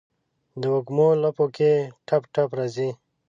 دوږمو لپو کې ټپ، ټپ راځي